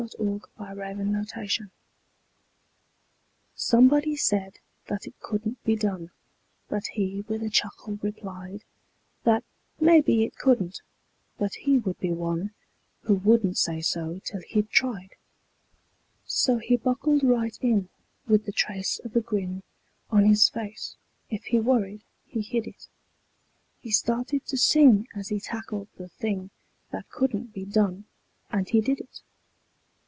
37 It Couldn't Be Done Somebody said that it couldn't be done, But he with a chuckle replied That "maybe it couldn't," but he would be one Who wouldn't say so till he'd tried. So he buckled right in with the trace of a grin On his face. If he worried he hid it. He started to sing as he tackled the thing That couldn't be done, and he did it.